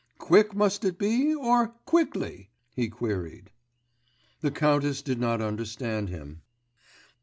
'Quick must it be, or quickly?' he queried. The countess did not understand him.